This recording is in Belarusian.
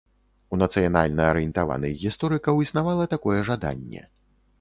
У нацыянальна-арыентаваных гісторыкаў існавала такое жаданне.